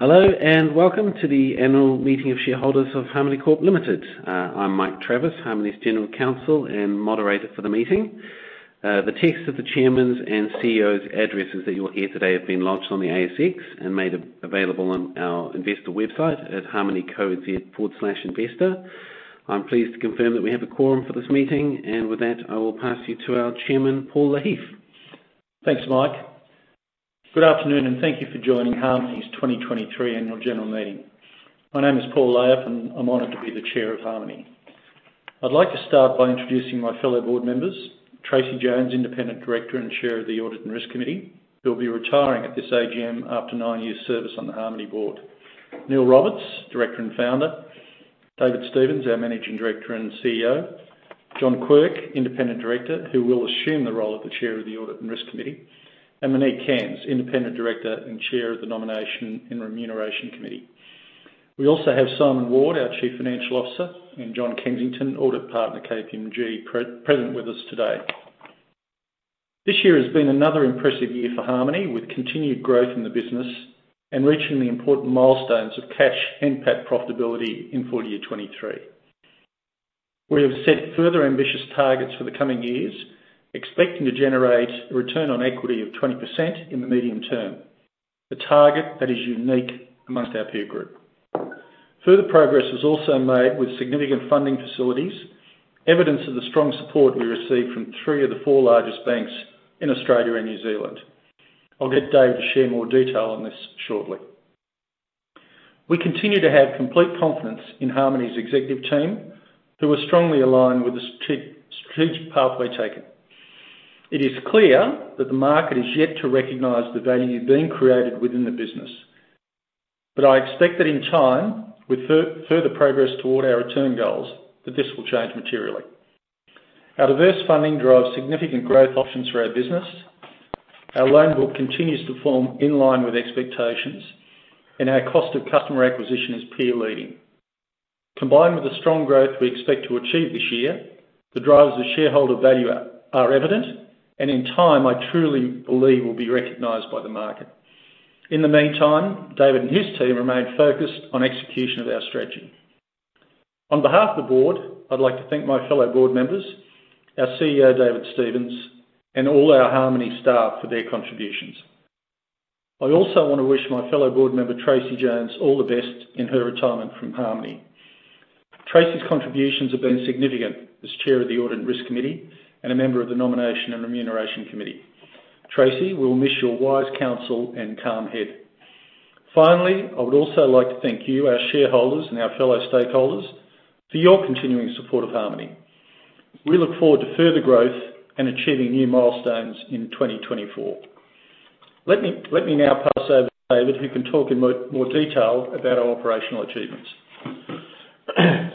Hello, and welcome to the Annual Meeting of Shareholders of Harmoney Corp Limited. I'm Mike Travis, Harmoney's General Counsel and moderator for the meeting. The text of the chairman's and CEO's addresses that you will hear today have been lodged on the ASX and made available on our investor website at harmoney.co.nz/investor. I'm pleased to confirm that we have a quorum for this meeting, and with that, I will pass you to our chairman, Paul Lahiff. Thanks, Mike. Good afternoon, and thank you for joining Harmoney's 2023 Annual General Meeting. My name is Paul Lahiff, and I'm honored to be the chair of Harmoney. I'd like to start by introducing my fellow board members, Tracey Jones, Independent Director and Chair of the Audit and Risk Committee, who will be retiring at this AGM after nine years service on the Harmoney board; Neil Roberts, Director and Founder; David Stevens, our Managing Director and CEO; John Quirk, Independent Director, who will assume the role of the Chair of the Audit and Risk Committee; and Monique Cairns, Independent Director and Chair of the Nomination and Remuneration Committee. We also have Simon Ward, our Chief Financial Officer, and John Kensington, Audit Partner, KPMG, present with us today. This year has been another impressive year for Harmoney, with continued growth in the business and reaching the important milestones of Cash NPAT profitability in full year 2023. We have set further ambitious targets for the coming years, expecting to generate a return on equity of 20% in the medium term, a target that is unique amongst our peer group. Further progress is also made with significant funding facilities, evidence of the strong support we receive from three of the four largest banks in Australia and New Zealand. I'll get Dave to share more detail on this shortly. We continue to have complete confidence in Harmoney's executive team, who are strongly aligned with the strategic pathway taken. It is clear that the market is yet to recognize the value being created within the business, but I expect that in time, with further progress toward our return goals, that this will change materially. Our diverse funding drives significant growth options for our business. Our loan book continues to form in line with expectations, and our cost of customer acquisition is peer leading. Combined with the strong growth we expect to achieve this year, the drivers of shareholder value are evident and in time, I truly believe will be recognized by the market. In the meantime, David and his team remain focused on execution of our strategy. On behalf of the board, I'd like to thank my fellow board members, our CEO, David Stevens, and all our Harmoney staff for their contributions. I also want to wish my fellow board member, Tracey Jones, all the best in her retirement from Harmoney. Tracey's contributions have been significant as Chair of the Audit and Risk Committee and a member of the Nomination and Remuneration Committee. Tracey, we'll miss your wise counsel and calm head. Finally, I would also like to thank you, our shareholders and our fellow stakeholders, for your continuing support of Harmoney. We look forward to further growth and achieving new milestones in 2024. Let me now pass over to David, who can talk in more detail about our operational achievements.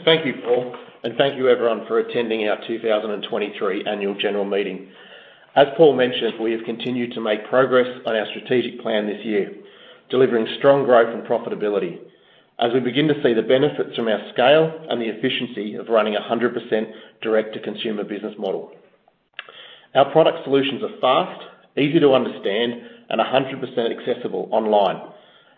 Thank you, Paul, and thank you everyone for attending our 2023 Annual General Meeting. As Paul mentioned, we have continued to make progress on our strategic plan this year, delivering strong growth and profitability as we begin to see the benefits from our scale and the efficiency of running a 100% direct-to-consumer business model. Our product solutions are fast, easy to understand, and 100% accessible online.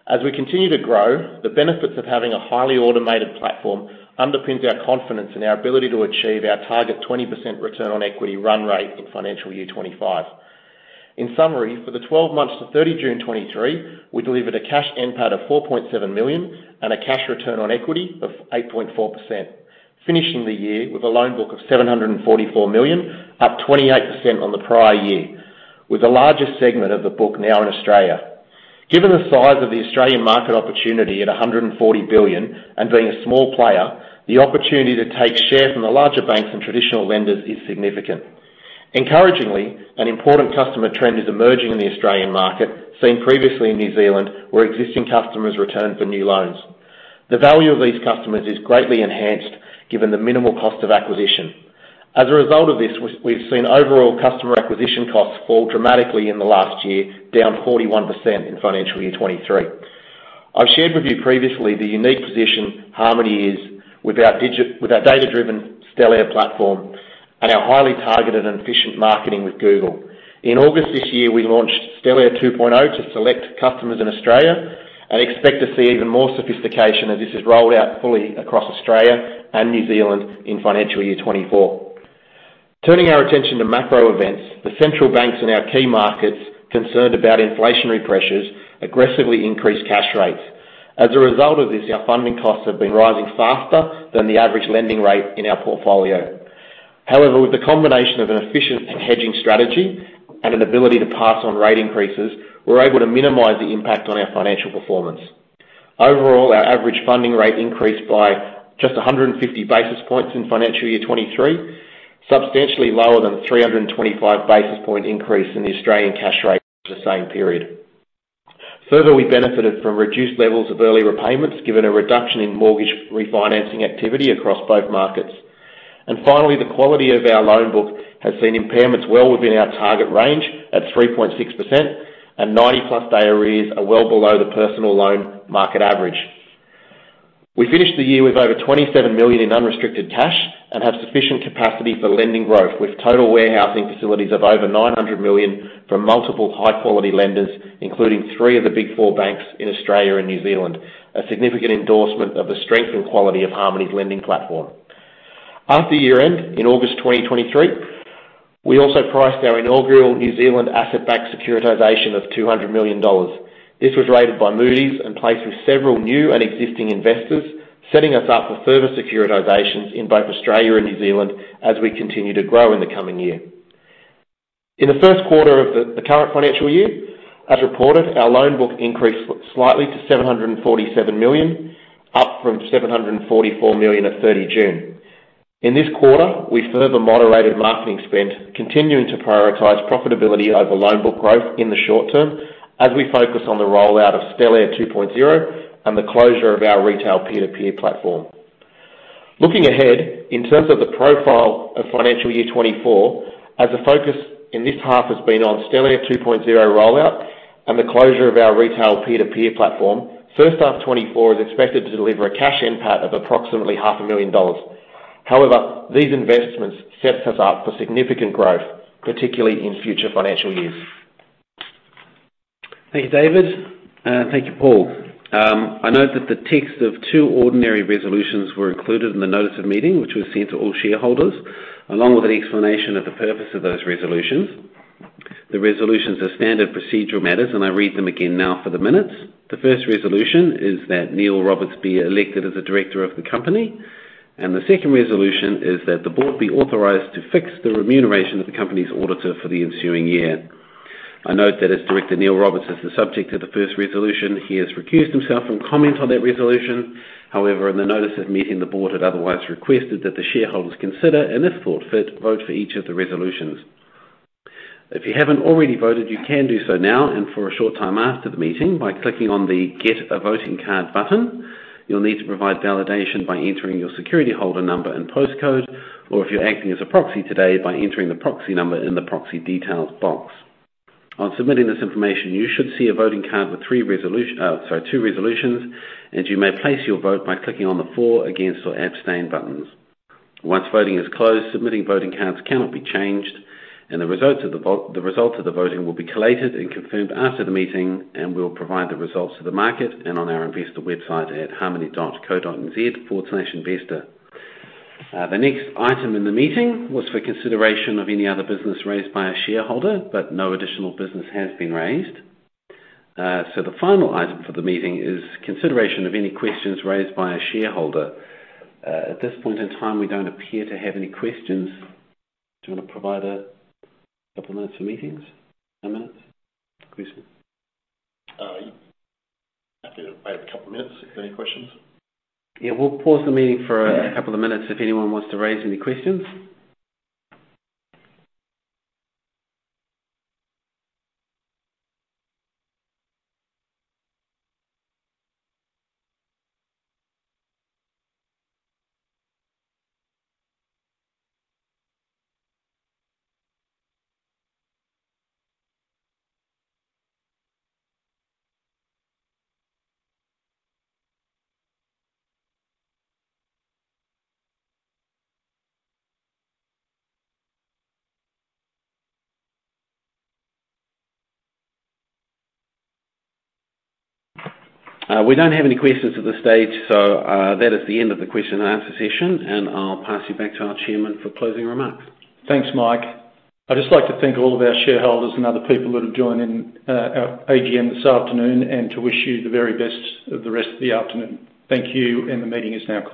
As we continue to grow, the benefits of having a highly automated platform underpins our confidence in our ability to achieve our target 20% return on equity run rate in financial year 2025. In summary, for the 12 months to 30 June 2023, we delivered a Cash NPAT of 4.7 million and a Cash Return on Equity of 8.4%, finishing the year with a loan book of 744 million, up 28% on the prior year, with the largest segment of the book now in Australia. Given the size of the Australian market opportunity at 140 billion and being a small player, the opportunity to take shares from the larger banks and traditional lenders is significant. Encouragingly, an important customer trend is emerging in the Australian market, seen previously in New Zealand, where existing customers return for new loans. The value of these customers is greatly enhanced given the minimal cost of acquisition. As a result of this, we've seen overall customer acquisition costs fall dramatically in the last year, down 41% in financial year 2023. I've shared with you previously the unique position Harmoney is with our data-driven Stellare platform and our highly targeted and efficient marketing with Google. In August this year, we launched Stellare 2.0 to select customers in Australia and expect to see even more sophistication as this is rolled out fully across Australia and New Zealand in financial year 2024. Turning our attention to macro events, the central banks in our key markets, concerned about inflationary pressures, aggressively increased cash rates. As a result of this, our funding costs have been rising faster than the average lending rate in our portfolio. However, with the combination of an efficient hedging strategy and an ability to pass on rate increases, we're able to minimize the impact on our financial performance. Overall, our average funding rate increased by just 150 basis points in financial year 2023, substantially lower than the 325 basis point increase in the Australian cash rate the same period. Further, we benefited from reduced levels of early repayments, given a reduction in mortgage refinancing activity across both markets. And finally, the quality of our loan book has seen impairments well within our target range at 3.6%, and 90+ day arrears are well below the personal loan market average. We finished the year with over 27 million in unrestricted cash, and have sufficient capacity for lending growth, with total warehousing facilities of over 900 million from multiple high-quality lenders, including three of the Big Four banks in Australia and New Zealand. A significant endorsement of the strength and quality of Harmoney's lending platform. After year-end, in August 2023, we also priced our inaugural New Zealand asset-backed securitization of 200 million dollars. This was rated by Moody's and placed with several new and existing investors, setting us up for further securitizations in both Australia and New Zealand as we continue to grow in the coming year. In the first quarter of the current financial year, as reported, our loan book increased slightly to 747 million, up from 744 million at 30 June. In this quarter, we further moderated marketing spend, continuing to prioritize profitability over loan book growth in the short term, as we focus on the rollout of Stellare 2.0, and the closure of our retail peer-to-peer platform. Looking ahead, in terms of the profile of financial year 2024, as the focus in this half has been on Stellare 2.0 rollout and the closure of our retail peer-to-peer platform, first half 2024 is expected to deliver a Cash NPAT of approximately 0.5 dollars. However, these investments sets us up for significant growth, particularly in future financial years. Thank you, David. Thank you, Paul. I note that the text of two ordinary resolutions were included in the notice of meeting, which was sent to all shareholders, along with an explanation of the purpose of those resolutions. The resolutions are standard procedural matters, and I read them again now for the minutes. The first resolution is that Neil Roberts be elected as a director of the company, and the second resolution is that the board be authorized to fix the remuneration of the company's auditor for the ensuing year. I note that as Director Neil Roberts is the subject of the first resolution, he has recused himself from comment on that resolution. However, in the notice of meeting, the board had otherwise requested that the shareholders consider, and if thought fit, vote for each of the resolutions. If you haven't already voted, you can do so now and for a short time after the meeting by clicking on the Get a Voting Card button. You'll need to provide validation by entering your security holder number and postcode, or if you're acting as a proxy today, by entering the proxy number in the proxy details box. On submitting this information, you should see a voting card with two resolutions, and you may place your vote by clicking on the For, Against, or Abstain buttons. Once voting is closed, submitting voting cards cannot be changed, and the results of the voting will be collated and confirmed after the meeting, and we'll provide the results to the market and on our investor website at harmoney.co.nz/investor. The next item in the meeting was for consideration of any other business raised by a shareholder, but no additional business has been raised. So the final item for the meeting is consideration of any questions raised by a shareholder. At this point in time, we don't appear to have any questions. Do you want to provide a couple minutes for meetings? Ten minutes? Please. Happy to wait a couple minutes, if any questions. Yeah, we'll pause the meeting for a couple of minutes if anyone wants to raise any questions. We don't have any questions at this stage, so that is the end of the question and answer session, and I'll pass you back to our chairman for closing remarks. Thanks, Mike. I'd just like to thank all of our shareholders and other people that have joined in, our AGM this afternoon, and to wish you the very best of the rest of the afternoon. Thank you, and the meeting is now closed.